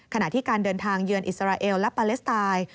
ขณะที่การเดินทางเยือนอิสราเอลและปาเลสไตน์